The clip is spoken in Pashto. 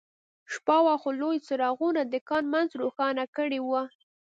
شپه وه خو لویو څراغونو د کان منځ روښانه کړی و